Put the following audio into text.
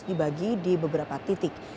dibagi di beberapa titik